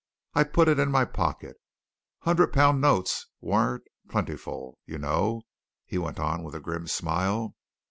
I put it in my pocket. Hundred pound notes weren't plentiful, you know," he went on with a grim smile.